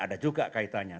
ya ada juga kaitannya